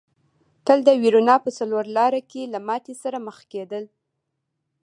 تل د وېرونا په څلور لاره کې له ماتې سره مخ کېدل.